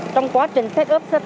trong quá trình